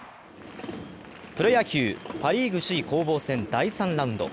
プロ野球、パ・リーグ首位攻防戦第３ラウンド。